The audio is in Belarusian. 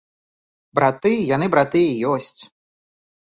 Браты, яны браты і ёсць.